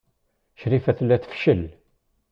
Crifa tella tfeccel.